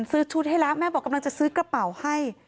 ซื้อชุดให้แล้วแม่บอกกำลังจะซื้อกระเป๋าให้